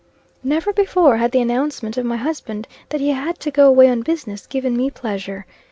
Never before had the announcement of my husband that he had to go away on business given me pleasure.